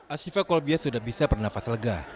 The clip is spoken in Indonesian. ashifa kolbia sudah bisa bernafas lega